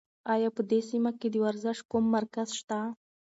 ایا په دې سیمه کې د ورزش کوم مرکز شته؟